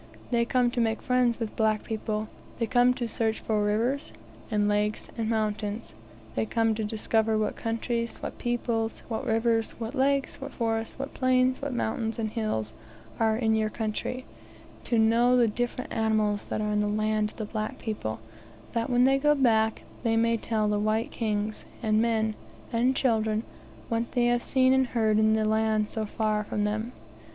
They come to make friends with black people; they come to search for rivers; and lakes, and mountains; they come to discover what countries, what peoples, what rivers, what lakes, what forests, what plains, what mountains and hills are in your country; to know the different animals that are in the land of the black people, that, when they go back, they may tell the white kings, and men, and children, what they have seen and heard in the land so far from them.